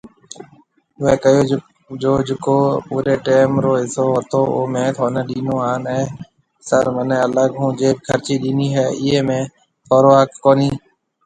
اوئي ڪهيو جو جڪو پوري ٽيم رو حصو هتو او مين ٿوني ڏينو هان اي سر مهني الگ ھونجيب خرچي ڏيني هي ايئي ۾ ٿونرو حق ڪونهي هي